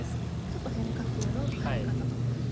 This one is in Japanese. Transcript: ちょっと変化球の入り方と。